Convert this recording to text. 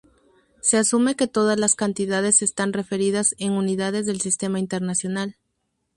Se asume que todas las cantidades están referidas en unidades del Sistema Internacional.